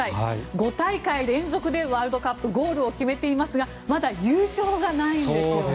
５大会連続でワールドカップゴールを決めていますがまだ優勝がないんですよね。